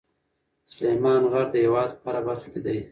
سلیمان غر د هېواد په هره برخه کې دی.